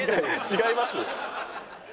違いますよ。